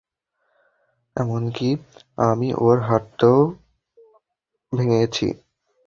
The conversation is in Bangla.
এমনকি আমি ওর হাতটাও ভেঙেছি।